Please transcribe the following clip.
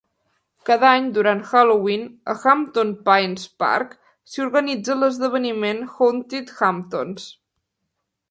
Cada any, durant Halloween, al Hampton Pines Park s'hi organitza l'esdeveniment Haunted Hamptons.